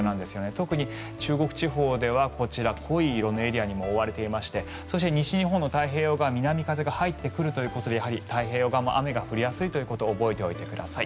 特に中国地方ではこちら濃い色のエリアに覆われていましてそして、西日本の太平洋側南風が入ってくるということでやはり太平洋側も雨が降りやすいということ覚えておいてください。